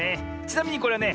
ちなみにこれはね